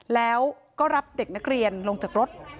แล้วก็รับเด็กนักเรียนลงจากรถ